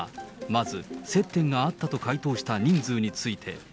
まず接点があったと回答した人数について。